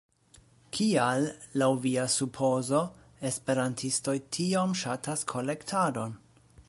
Kial, laŭ via supozo, esperantistoj tiom ŝatas kolektadon?